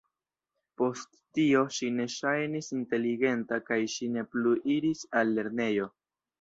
Post tio, ŝi ne ŝajnis inteligenta kaj ŝi ne plu iris al lernejo.